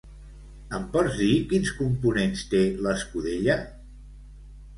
Em pots dir quins components té l'escudella?